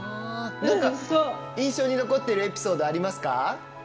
印象に残っているエピソードありますか？